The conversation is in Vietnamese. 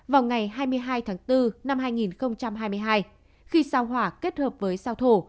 vào ngày hai mươi hai tháng bốn năm hai nghìn hai mươi hai khi sao hỏa kết hợp với sao thổ